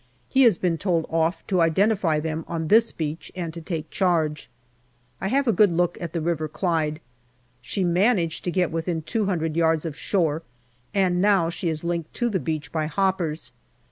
He has been told off to identify them on this beach and to take charge. I have a good look at the River Clyde. She managed to get within two hundred yards of shore, and now she is linked to the beach by hoppers.